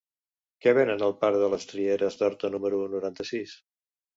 Què venen al parc de les Rieres d'Horta número noranta-sis?